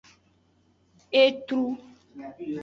Etru.